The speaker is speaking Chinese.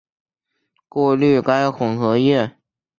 过滤该混合液。